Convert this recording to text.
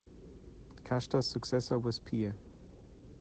Kashta's successor was Piye.